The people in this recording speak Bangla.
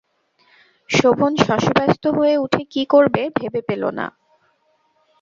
শোভন শশব্যস্ত হয়ে উঠে কী করবে ভেবে পেল না।